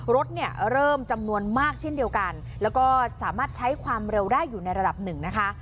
รถเนี่ยเริ่มจำนวนมากเช่นเดียวกันแล้วก็สามารถใช้ความเร็วได้อยู่ในระดับหนึ่งนะคะ